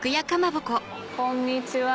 こんにちは。